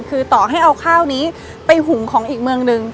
คือต่อให้เอาข้าวนี้ไปหุงของอีกเมืองหนึ่ง